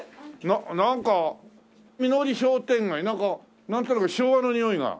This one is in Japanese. なんかみのり商店会なんとなく昭和のにおいが。